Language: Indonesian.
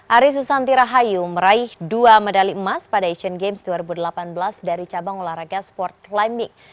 ari susanti rahayu meraih dua medali emas pada asian games dua ribu delapan belas dari cabang olahraga sport climbing